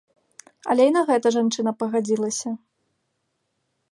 Але і на гэта жанчына пагадзілася.